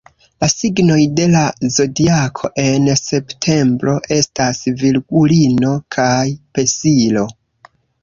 La signoj de la Zodiako en septembro estas Virgulino kaj Pesilo.